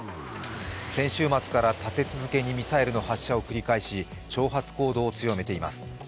先週末から立て続けにミサイルの発射を繰り返し挑発行動を強めています。